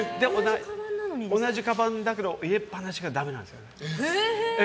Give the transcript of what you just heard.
同じかばんだけど入れっぱなしがダメなんですよ。